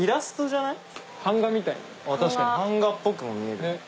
確かに版画っぽくも見える。